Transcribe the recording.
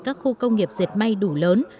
các khu công nghiệp dệt may đủ lớn